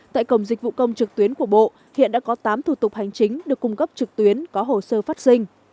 tại cổng dịch vụ công trực tuyến của bộ hiện đã có tám thủ tục hành chính được cung cấp trực tuyến có hồ sơ phát sinh